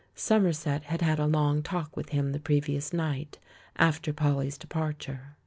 Somerset had had a long talk with him the previous night, after Polly's departure.